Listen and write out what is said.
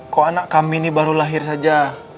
kok anak kami ini baru lahir saja